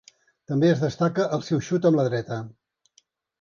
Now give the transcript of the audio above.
També es destaca el seu xut amb la dreta.